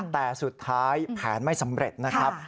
แต่สุดท้ายแผนไม่สำเร็จนะครับ